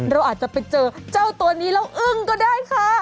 เราอาจจะไปเจอเจ้าตัวนี้แล้วอึ้งก็ได้ค่ะ